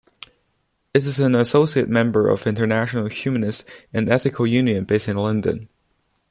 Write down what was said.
It is an associate member of International Humanist and Ethical Union based in London.